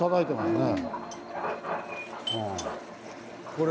これ？